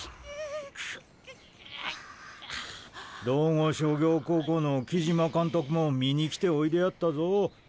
道後商業高校の木島監督も見に来ておいでやったぞ。